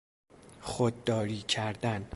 خودداری کردن